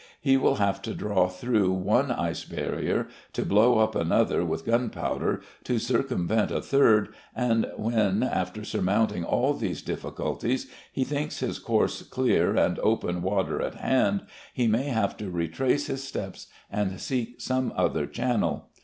He will have to saw through one ice barrier, to blow up another with gunpowder, to circumvent a third, and when, after surmounting all these difficulties, he thinks his course clear and open water at hand, he may have to retrace his steps and seek some other channel.